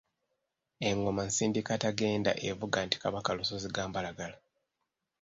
Engoma Nsindikatagenda evuga nti “Kabaka Lusozi Gambalagala.”